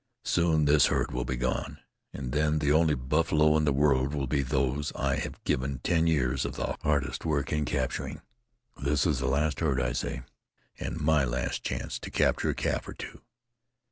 Soon this herd will be gone, and then the only buffalo in the world will be those I have given ten years of the hardest work in capturing. This is the last herd, I say, and my last chance to capture a calf or two.